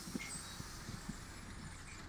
该城也是铁路枢纽。